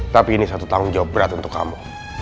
tapi ini satu tanggung jawab berat untuk kamu